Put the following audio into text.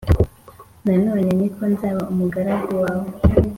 na none ni ko nzaba umugaragu wawe.’